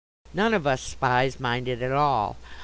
None of us Spies mind it at all.